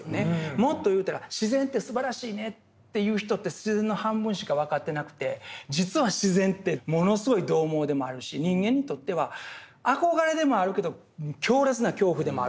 もっと言うたら自然ってすばらしいねって言う人って自然の半分しか分かってなくて実は自然ってものすごい獰猛でもあるし人間にとっては憧れでもあるけど強烈な恐怖でもあるでしょう。